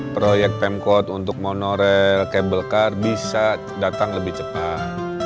proyek pemkot untuk monorail kabel kar bisa datang lebih cepat